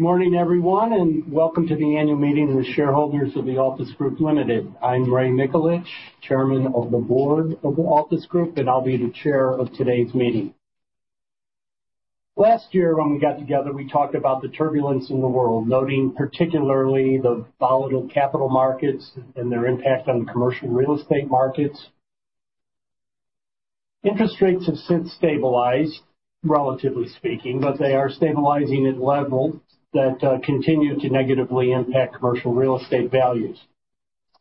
Good morning, everyone, and welcome to the annual meeting of the shareholders of the Altus Group Limited. I'm Raymond Mikulich, Chairman of the Board of the Altus Group, and I'll be the chair of today's meeting. Last year, when we got together, we talked about the turbulence in the world, noting particularly the volatile capital markets and their impact on the commercial real estate markets. Interest rates have since stabilized, relatively speaking, but they are stabilizing at levels that continue to negatively impact commercial real estate values.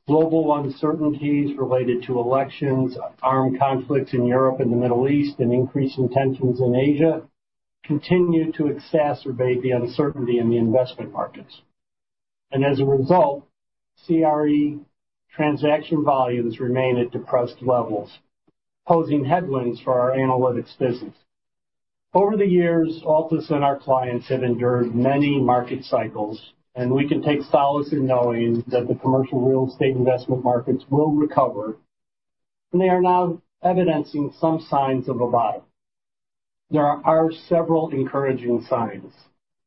Global uncertainties related to elections, armed conflicts in Europe and the Middle East, and increasing tensions in Asia continue to exacerbate the uncertainty in the investment markets. As a result, CRE transaction volumes remain at depressed levels, posing headwinds for our analytics business. Over the years, Altus and our clients have endured many market cycles, and we can take solace in knowing that the commercial real estate investment markets will recover, and they are now evidencing some signs of a bottom. There are several encouraging signs: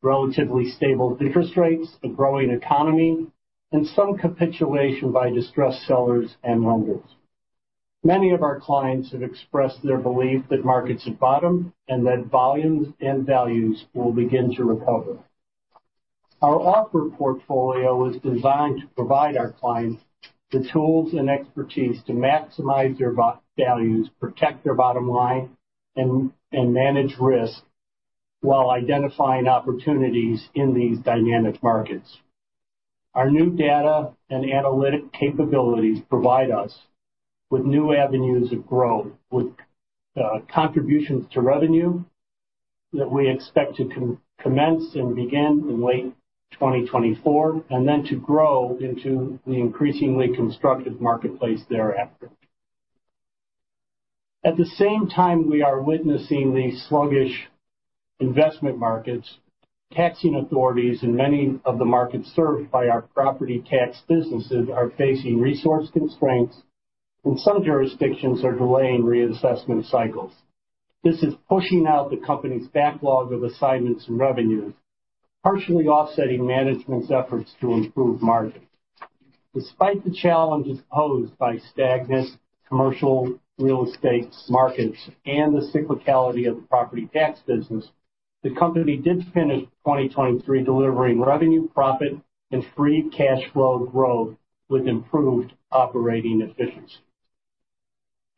relatively stable interest rates, a growing economy, and some capitulation by distressed sellers and lenders. Many of our clients have expressed their belief that markets have bottomed and that volumes and values will begin to recover. Our offer portfolio is designed to provide our clients the tools and expertise to maximize their values, protect their bottom line, and manage risk while identifying opportunities in these dynamic markets. Our new data and analytic capabilities provide us with new avenues of growth, with contributions to revenue that we expect to commence and begin in late 2024, and then to grow into the increasingly constructive marketplace thereafter. At the same time we are witnessing the sluggish investment markets, taxing authorities in many of the markets served by our property tax businesses are facing resource constraints, and some jurisdictions are delaying reassessment cycles. This is pushing out the company's backlog of assignments and revenues, partially offsetting management's efforts to improve margins. Despite the challenges posed by stagnant commercial real estate markets and the cyclicality of the property tax business, the company did finish 2023 delivering revenue, profit, and free cash flow growth with improved operating efficiency.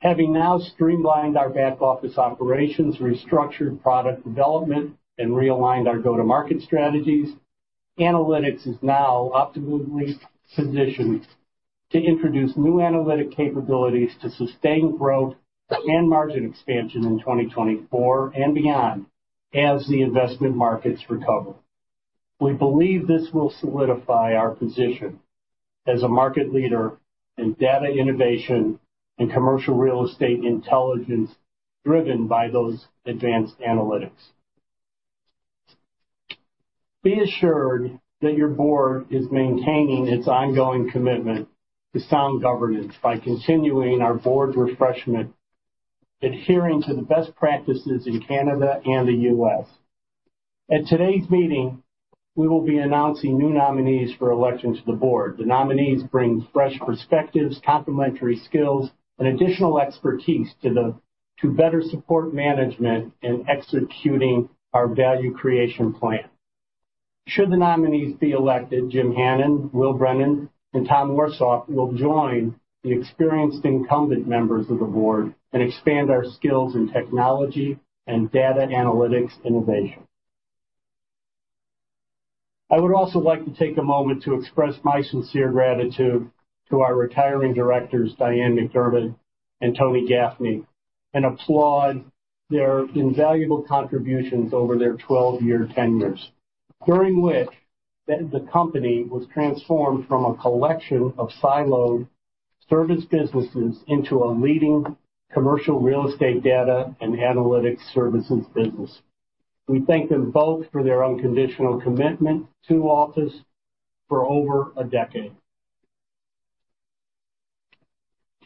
Having now streamlined our back-office operations, restructured product development, and realigned our go-to-market strategies, analytics is now optimally positioned to introduce new analytic capabilities to sustain growth and margin expansion in 2024 and beyond as the investment markets recover. We believe this will solidify our position as a market leader in data innovation and commercial real estate intelligence, driven by those advanced analytics. Be assured that your board is maintaining its ongoing commitment to sound governance by continuing our board refreshment, adhering to the best practices in Canada and the U.S. At today's meeting, we will be announcing new nominees for election to the board. The nominees bring fresh perspectives, complementary skills, and additional expertise to better support management in executing our value creation plan. Should the nominees be elected, Jim Hannon, Will Brennan, and Tom Warsop will join the experienced incumbent members of the board and expand our skills in technology and data analytics innovation. I would also like to take a moment to express my sincere gratitude to our retiring directors, Diane MacDiarmid and Tony Gaffney, and applaud their invaluable contributions over their twelve-year tenures, during which the company was transformed from a collection of siloed service businesses into a leading commercial real estate data and analytics services business. We thank them both for their unconditional commitment to Altus for over a decade.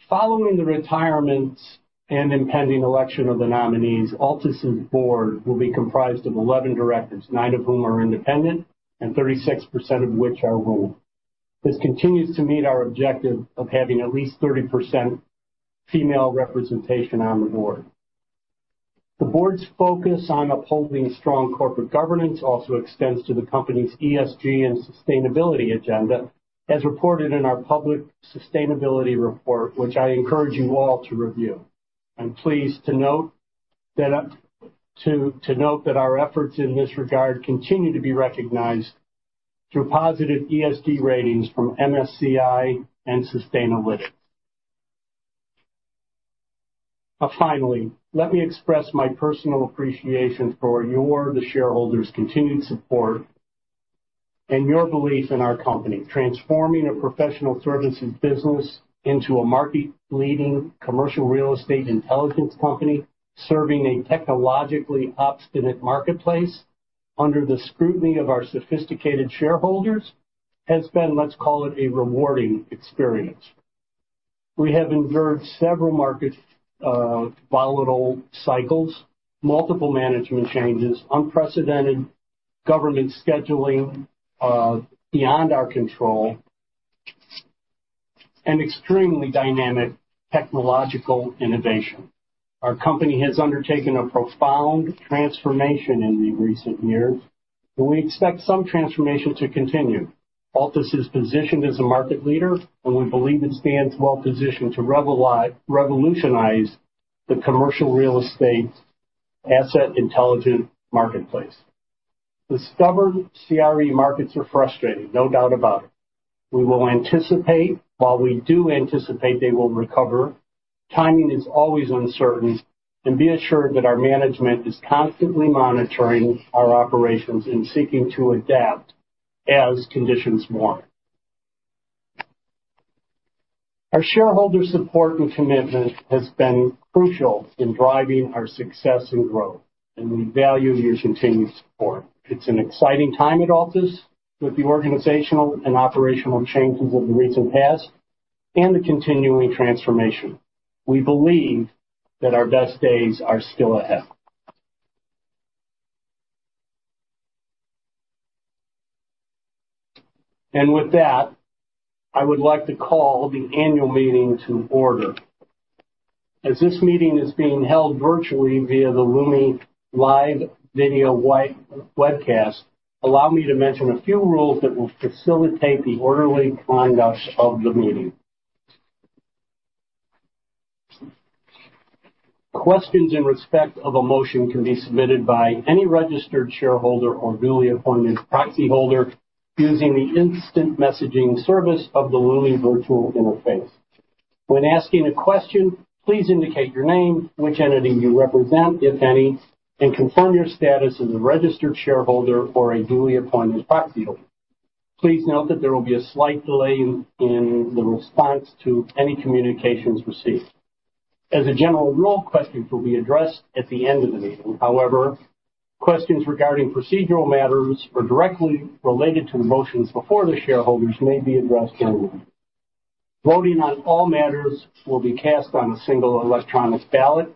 Following the retirements and impending election of the nominees, Altus' board will be comprised of 11 directors, 9 of whom are independent and 36% of which are women. This continues to meet our objective of having at least 30% female representation on the board. The board's focus on upholding strong corporate governance also extends to the company's ESG and sustainability agenda, as reported in our public sustainability report, which I encourage you all to review. I'm pleased to note that our efforts in this regard continue to be recognized through positive ESG ratings from MSCI and Sustainalytics. Finally, let me express my personal appreciation for your, the shareholders', continued support and your belief in our company. Transforming a professional services business into a market-leading commercial real estate intelligence company, serving a technologically obstinate marketplace under the scrutiny of our sophisticated shareholders, has been, let's call it, a rewarding experience... We have endured several market volatile cycles, multiple management changes, unprecedented government scheduling beyond our control, and extremely dynamic technological innovation. Our company has undertaken a profound transformation in the recent years, and we expect some transformation to continue. Altus is positioned as a market leader, and we believe it stands well positioned to revolutionize the commercial real estate asset intelligent marketplace. The stubborn CRE markets are frustrating, no doubt about it. While we do anticipate they will recover, timing is always uncertain, and be assured that our management is constantly monitoring our operations and seeking to adapt as conditions warrant. Our shareholder support and commitment has been crucial in driving our success and growth, and we value your continued support. It's an exciting time at Altus with the organizational and operational changes of the recent past and the continuing transformation. We believe that our best days are still ahead. With that, I would like to call the annual meeting to order. As this meeting is being held virtually via the Lumi Live video webcast, allow me to mention a few rules that will facilitate the orderly conduct of the meeting. Questions in respect of a motion can be submitted by any registered shareholder or duly appointed proxyholder using the instant messaging service of the Lumi virtual interface. When asking a question, please indicate your name, which entity you represent, if any, and confirm your status as a registered shareholder or a duly appointed proxyholder. Please note that there will be a slight delay in the response to any communications received. As a general rule, questions will be addressed at the end of the meeting. However, questions regarding procedural matters or directly related to the motions before the shareholders may be addressed earlier. Voting on all matters will be cast on a single electronic ballot.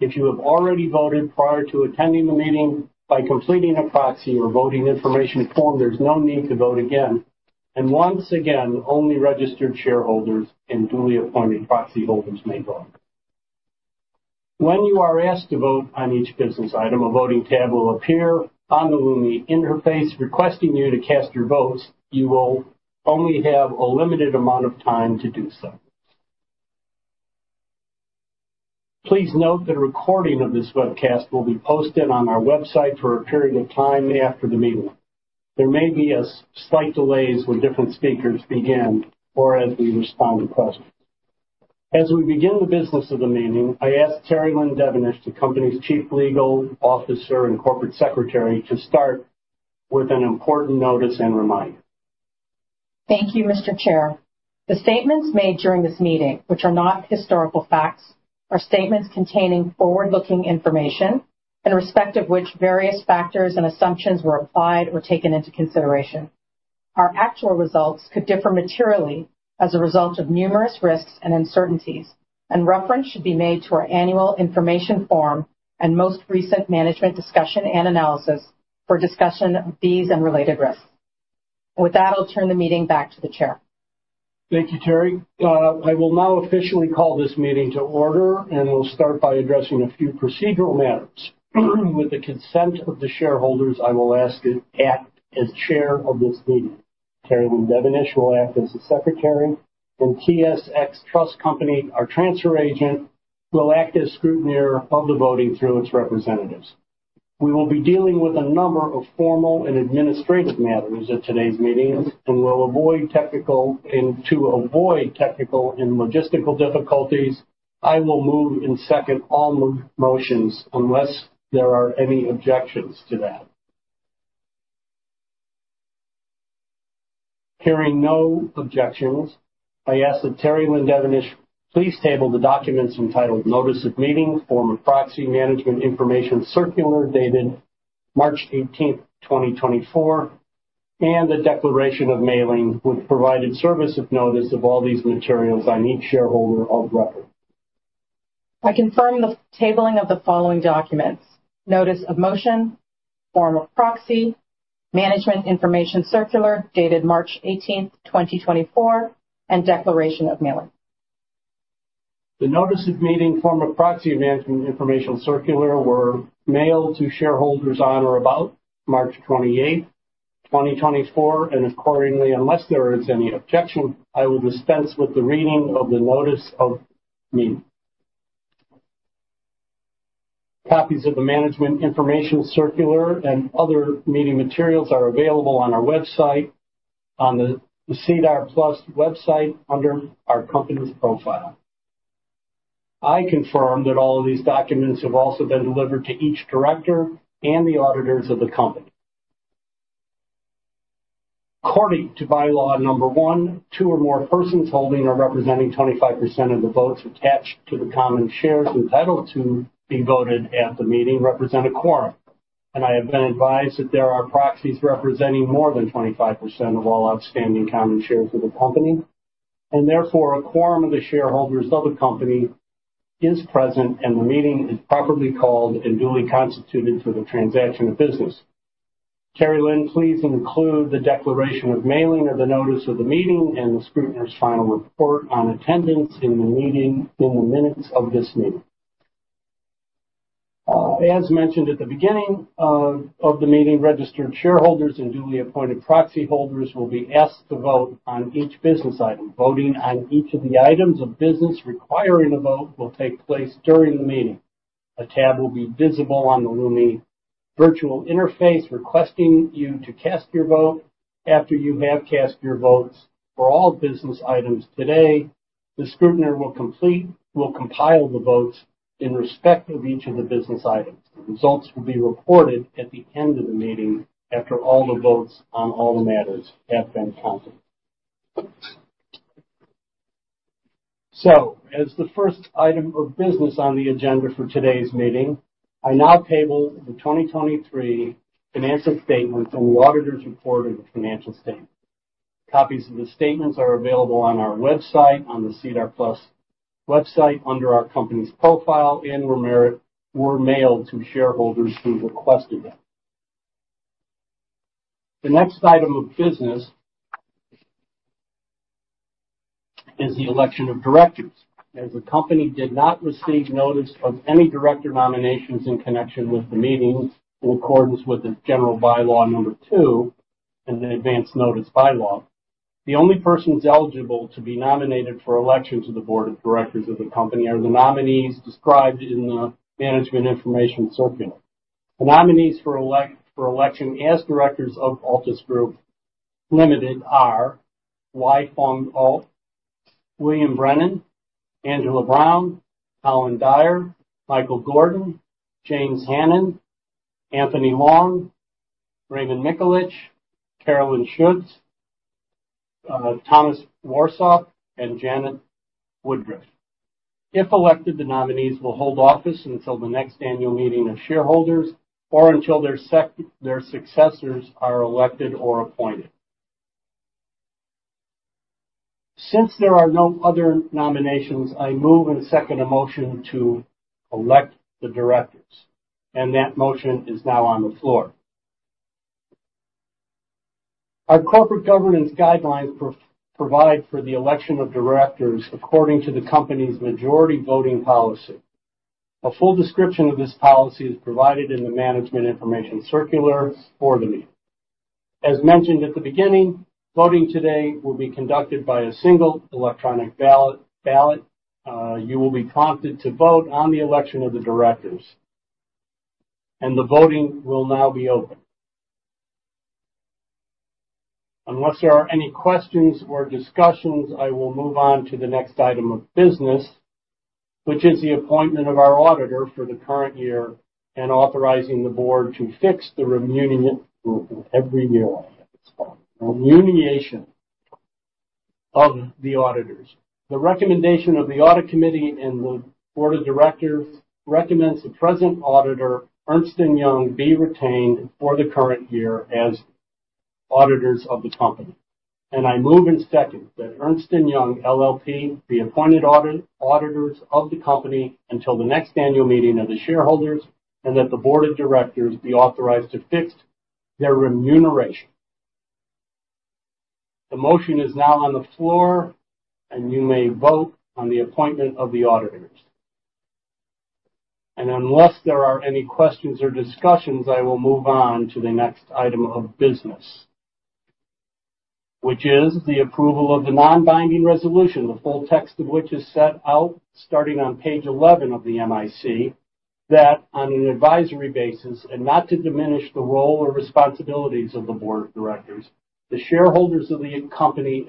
If you have already voted prior to attending the meeting, by completing a proxy or voting information form, there's no need to vote again. And once again, only registered shareholders and duly appointed proxyholders may vote. When you are asked to vote on each business item, a voting tab will appear on the Lumi interface, requesting you to cast your votes. You will only have a limited amount of time to do so. Please note the recording of this webcast will be posted on our website for a period of time after the meeting. There may be slight delays when different speakers begin or as we respond to questions. As we begin the business of the meeting, I ask Terrie-Lynne Devonish, the company's Chief Legal Officer and Corporate Secretary, to start with an important notice and reminder. Thank you, Mr. Chair. The statements made during this meeting, which are not historical facts, are statements containing forward-looking information in respect of which various factors and assumptions were applied or taken into consideration. Our actual results could differ materially as a result of numerous risks and uncertainties, and reference should be made to our Annual Information Form and most recent Management Discussion and Analysis for discussion of these and related risks. With that, I'll turn the meeting back to the chair. Thank you, Terrie. I will now officially call this meeting to order, and we'll start by addressing a few procedural matters. With the consent of the shareholders, I will ask to act as chair of this meeting. Terrie-Lynne Devonish will act as the secretary, and TSX Trust Company, our transfer agent, will act as scrutineer of the voting through its representatives. We will be dealing with a number of formal and administrative matters at today's meeting, and to avoid technical and logistical difficulties, I will move and second all motions unless there are any objections to that. Hearing no objections, I ask that Terrie-Lynne Devonish please table the documents entitled Notice of Meeting, Form of Proxy, Management Information Circular, dated March eighteenth, twenty twenty-four, and the Declaration of Mailing, which provided service of notice of all these materials on each shareholder of record. I confirm the tabling of the following documents: Notice of Meeting, Form of Proxy, Management Information Circular, dated March 18, 2024, and Declaration of Mailing. The Notice of Meeting, Form of Proxy, and Management Information Circular were mailed to shareholders on or about March 28th, 2024, and accordingly, unless there is any objection, I will dispense with the reading of the notice of meeting. Copies of the Management Information Circular and other meeting materials are available on our website, on the SEDAR+ website, under our company's profile. I confirm that all of these documents have also been delivered to each director and the auditors of the company. According to Bylaw Number 1, two or more persons holding or representing 25% of the votes attached to the common shares entitled to be voted at the meeting represent a quorum. I have been advised that there are proxies representing more than 25% of all outstanding common shares of the company, and therefore, a quorum of the shareholders of the company is present, and the meeting is properly called and duly constituted for the transaction of business. Terrie-Lynne, please include the declaration of mailing of the notice of the meeting and the scrutineer's final report on attendance in the meeting in the minutes of this meeting. As mentioned at the beginning of the meeting, registered shareholders and duly appointed proxyholders will be asked to vote on each business item. Voting on each of the items of business requiring a vote will take place during the meeting. A tab will be visible on the Lumi virtual interface, requesting you to cast your vote. After you have cast your votes for all business items today, the scrutineer will compile the votes in respect of each of the business items. The results will be reported at the end of the meeting, after all the votes on all the matters have been counted. As the first item of business on the agenda for today's meeting, I now table the 2023 financial statements and the auditor's report of the financial statements. Copies of the statements are available on our website, on the SEDAR+ website, under our company's profile, and were mailed to shareholders who requested them. The next item of business is the election of directors. As the company did not receive notice of any director nominations in connection with the meeting, in accordance with the General Bylaw Number 2 and the Advance Notice Bylaw, the only persons eligible to be nominated for election to the board of directors of the company are the nominees described in the Management Information Circular. The nominees for election as directors of Altus Group Limited are Wai-Fong Au, William Brennan, Angela Brown, Colin Dyer, Michael Gordon, James Hannon, Anthony Long, Raymond Mikulich, Carolyn Schuetz, Thomas Warsop, and Janet Woodruff. If elected, the nominees will hold office until the next annual meeting of shareholders or until their successors are elected or appointed. Since there are no other nominations, I move and second a motion to elect the directors, and that motion is now on the floor. Our corporate governance guidelines provide for the election of directors according to the company's majority voting policy. A full description of this policy is provided in the Management Information Circular for the meeting. As mentioned at the beginning, voting today will be conducted by a single electronic ballot. You will be prompted to vote on the election of the directors, and the voting will now be open. Unless there are any questions or discussions, I will move on to the next item of business, which is the appointment of our auditor for the current year and authorizing the board to fix the remuneration of the auditors. Every year I get this one. The recommendation of the audit committee and the board of directors recommends the present auditor, Ernst & Young, be retained for the current year as auditors of the company. I move and second that Ernst & Young LLP be appointed auditors of the company until the next annual meeting of the shareholders and that the board of directors be authorized to fix their remuneration. The motion is now on the floor, and you may vote on the appointment of the auditors. Unless there are any questions or discussions, I will move on to the next item of business, which is the approval of the non-binding resolution, the full text of which is set out starting on page 11 of the MIC, that on an advisory basis and not to diminish the role or responsibilities of the board of directors, the shareholders of the company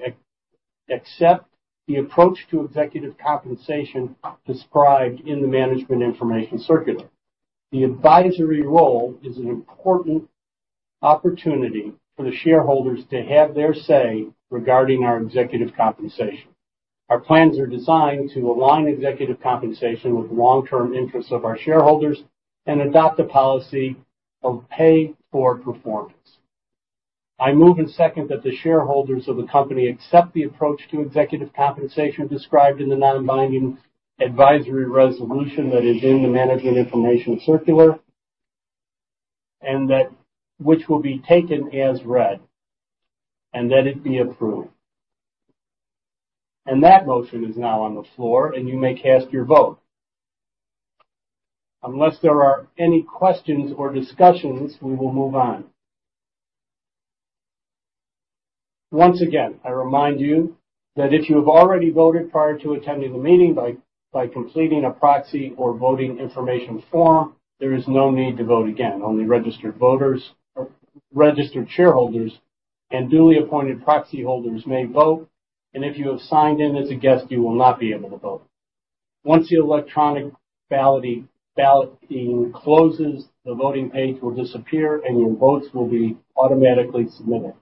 accept the approach to executive compensation described in the Management Information Circular. The advisory role is an important opportunity for the shareholders to have their say regarding our executive compensation. Our plans are designed to align executive compensation with long-term interests of our shareholders and adopt a policy of pay for performance. I move and second that the shareholders of the company accept the approach to executive compensation described in the non-binding advisory resolution that is in the Management Information Circular, and that which will be taken as read and let it be approved. That motion is now on the floor, and you may cast your vote. Unless there are any questions or discussions, we will move on. Once again, I remind you that if you have already voted prior to attending the meeting by completing a proxy or voting information form, there is no need to vote again. Only registered voters or registered shareholders and duly appointed proxyholders may vote, and if you have signed in as a guest, you will not be able to vote. Once the electronic balloting closes, the voting page will disappear, and your votes will be automatically submitted.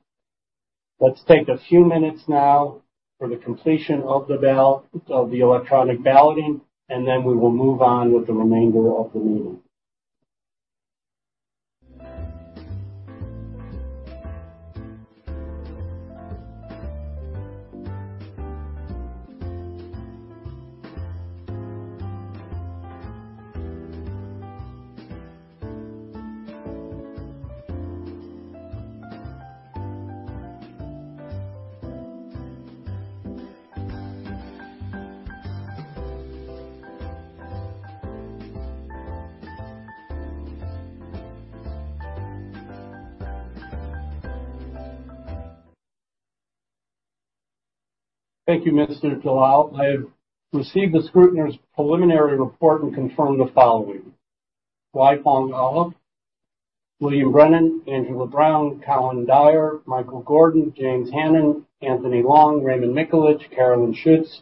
Let's take a few minutes now for the completion of the electronic balloting, and then we will move on with the remainder of the meeting. Thank you, Mr.Dilao. I have received the scrutineer's preliminary report and confirm the following: Wai-Fong Au, William Brennan, Angela Brown, Colin Dyer, Michael Gordon, James Hannon, Anthony Long, Raymond Mikulich, Carolyn Schuetz,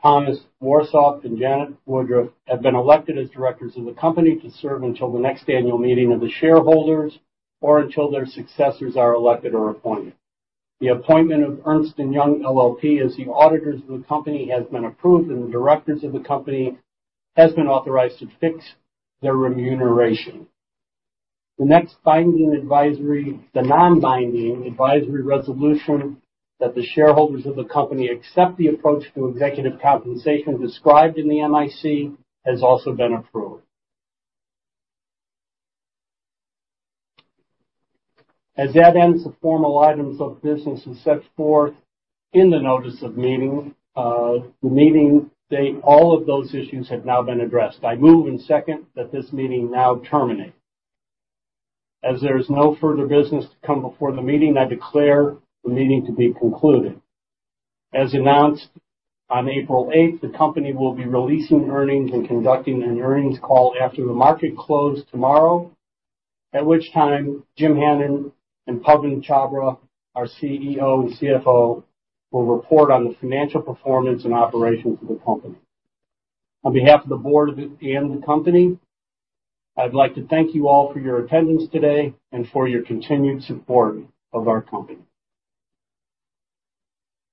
Thomas Warsop, and Janet Woodruff have been elected as directors of the company to serve until the next annual meeting of the shareholders or until their successors are elected or appointed. The appointment of Ernst & Young LLP as the auditors of the company has been approved, and the directors of the company have been authorized to fix their remuneration. The next binding advisory—the non-binding advisory resolution that the shareholders of the company accept the approach to executive compensation described in the MIC has also been approved. As that ends, the formal items of business as set forth in the notice of meeting, the meeting date, all of those issues have now been addressed. I move and second that this meeting now terminate. As there is no further business to come before the meeting, I declare the meeting to be concluded. As announced, on April 8, the company will be releasing earnings and conducting an earnings call after the market close tomorrow, at which time Jim Hannon and Pawan Chhabra, our CEO and CFO, will report on the financial performance and operations of the company. On behalf of the board and the company, I'd like to thank you all for your attendance today and for your continued support of our company.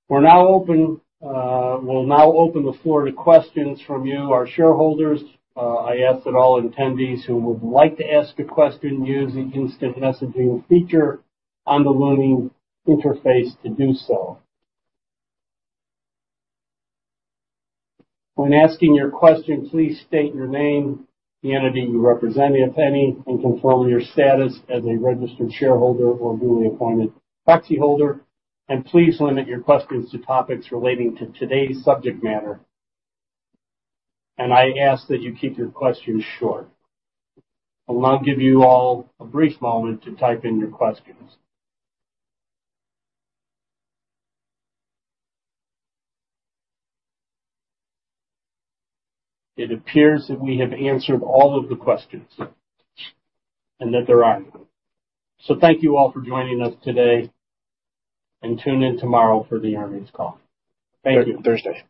We're now open, we'll now open the floor to questions from you, our shareholders. I ask that all attendees who would like to ask a question use the instant messaging feature on the Lumi interface to do so. When asking your question, please state your name, the entity you represent, if any, and confirm your status as a registered shareholder or duly appointed proxyholder, and please limit your questions to topics relating to today's subject matter. I ask that you keep your questions short. I'll give you all a brief moment to type in your questions. It appears that we have answered all of the questions and that there are none. Thank you all for joining us today, and tune in tomorrow for the earnings call. Thank you. Thursday.